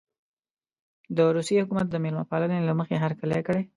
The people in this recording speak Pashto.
د روسیې حکومت د مېلمه پالنې له مخې هرکلی کړی.